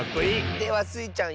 ではスイちゃん